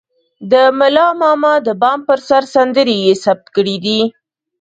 د ملا ماما د بام پر سر سندرې يې ثبت کړې دي.